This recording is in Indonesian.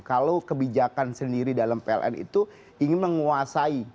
kalau kebijakan sendiri dalam pln itu ingin menguasai